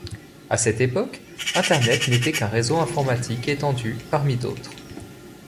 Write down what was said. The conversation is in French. À cette époque, Internet n’était qu'un réseau informatique étendu parmi d’autres.